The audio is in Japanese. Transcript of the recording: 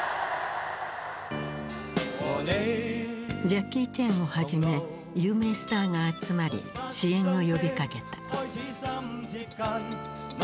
ジャッキー・チェンをはじめ有名スターが集まり支援を呼びかけた。